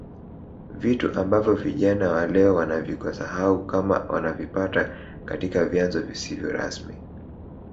Vitu ambavyo vijana wa leo wanavikosaau kama wanavipata katika vyanzo visivyo rasmi